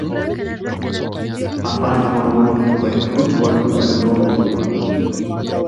Afaan Oromoo dubbachuun wal hubannoo uuma.